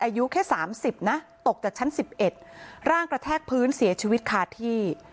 อายุแค่๓๐นะตกจากชั้น๑๑ร่างกระแทกพื้นเสียชีวิตคาที่